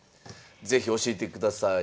是非教えてください。